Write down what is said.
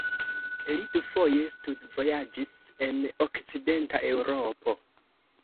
Li dufoje studvojaĝis en okcidenta Eŭropo.